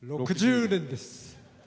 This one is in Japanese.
６０年です。